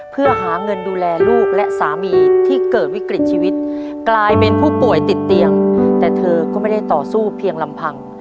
เพื่อหาเงินดูแลลูกและสามีที่เกิดวิกฤตชีวิตกลายเป็นผู้ป่วยติดเตียงแต่เธอก็ไม่ได้ต่อสู้เพียงลำพัง